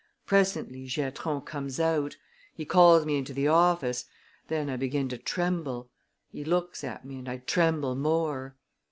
Presently Giatron comes out. He calls me into the office. Then I begin to tremble. He looks at me and I tremble more.